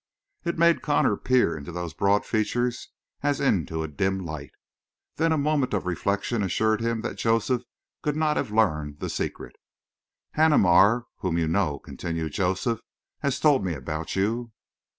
It made Connor peer into those broad features as into a dim light. Then a moment of reflection assured him that Joseph could not have learned the secret. "Haneemar, whom you know," continued Joseph, "has told me about you."